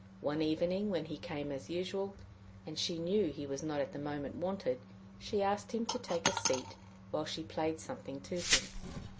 One evening when he came as usual, and she knew he was not at the moment wanted, she asked him to take a seat while she played something to him.